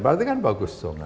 berarti kan bagus dong